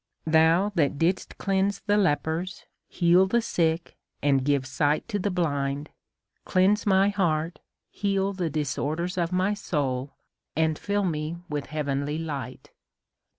Thou that didst cleanse the lepers, heal the sick, and give sight to the blind, cleanse my heart, heal the dis orders of my soul, and fill me with heavenly light."